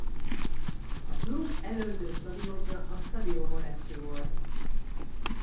A klub előző stadionja a Stadio Moretti volt.